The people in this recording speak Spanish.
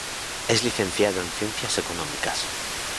Es licenciado en Ciencias Económicas.